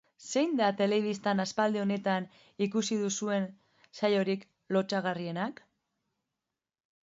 Zein da telebistan aspaldi honetan ikusi duzuen saiorik lotsagarrienak?